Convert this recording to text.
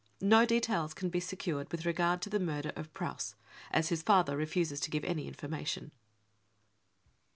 No details can be secured with regard to the murder of Preuss, as his father refuses to give any information.